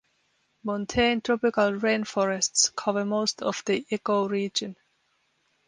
Montane tropical rain forests cover most of the ecoregion.